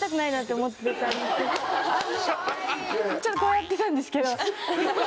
ちょっとこうやってたんですけど。